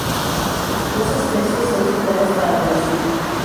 Dos especies son citadas para Brasil.